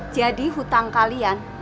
jadi hutang kalian